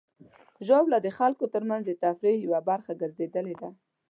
ژاوله د خلکو ترمنځ د تفریح یوه برخه ګرځېدلې ده.